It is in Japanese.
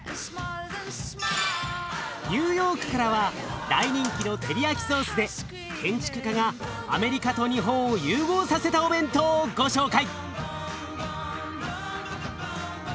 ニューヨークからは大人気のテリヤキソースで建築家がアメリカと日本を融合させたお弁当をご紹介！